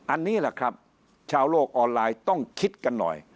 อันนี้แหละครับชาวโลกออนไลน์ต้องคิดกันหน่อย